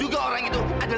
bapak tidak adil